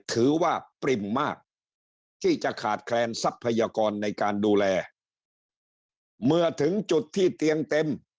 ถือว่าปริ่มมากที่จะขาดแคลนทรัพยากรในการดูแลเมื่อถึงจุดที่เตียงเต็ม